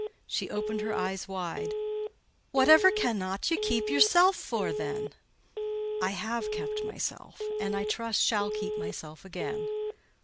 She opened her eyes wide. "Whatever cannot ye keep yourself for, then?" "I have kept myself; and, I trust, shall keep myself again.